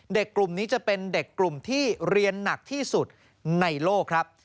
กลุ่มนี้จะเป็นเด็กกลุ่มที่เรียนหนักที่สุดในโลกครับ